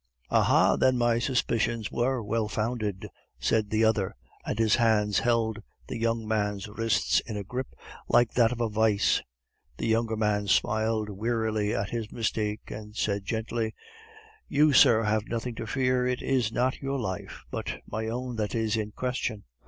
"Ah, ha! then my suspicions were well founded!" said the other, and his hands held the young man's wrists in a grip like that of a vice. The younger man smiled wearily at his mistake, and said gently: "You, sir, have nothing to fear; it is not your life, but my own that is in question....